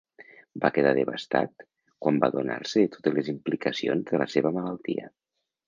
Va quedar devastat quan va adonar-se de totes les implicacions de la seva malaltia.